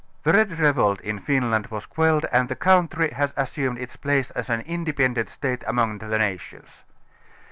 The red revolt in Finland was quelled and the country has assumed its place as an independent State among the nations.